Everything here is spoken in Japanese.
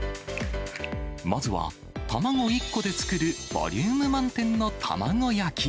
まずは卵１個で作る、ボリューム満点の卵焼き。